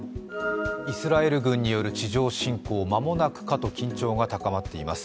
イスラエル軍による地上侵攻、間もなくかと緊張が高まっています。